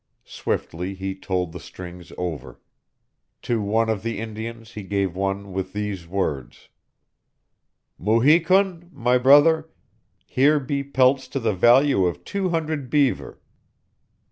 Swiftly he told the strings over. To one of the Indians he gave one with these words: "Mu hi kun, my brother, here be pelts to the value of two hundred 'beaver.'